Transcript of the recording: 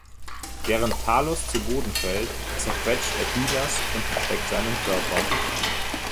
Während Talos zu Boden fällt, zerquetscht er Hylas und versteckt seinen Körper.